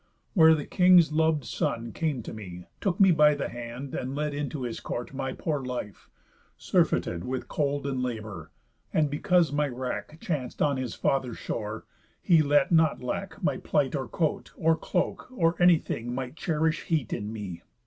Where the king's lov'd son Came to me, took me by the hand, and led Into his court my poor life, surfeited With cold and labour; and because my wrack Chanc'd on his father's shore, he let not lack My plight or coat, or cloak, or anything Might cherish heat in me.